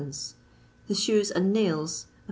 the shoes and nails, \\d.